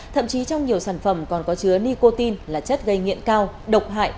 thậm chí trong nhiều sản phẩm còn có chứa nicotine là chất gây nghiện cao độc hại